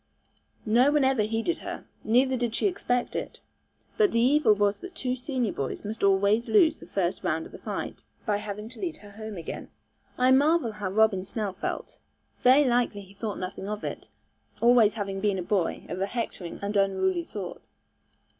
No one ever heeded her, neither did she expect it; but the evil was that two senior boys must always lose the first round of the fight, by having to lead her home again. I marvel how Robin Snell felt. Very likely he thought nothing of it, always having been a boy of a hectoring and unruly sort.